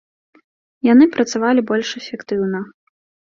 Яны працавалі больш эфектыўна.